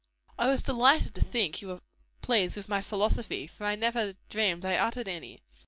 "I was delighted to think you were pleased with my philosophy for I never dreamed I uttered any.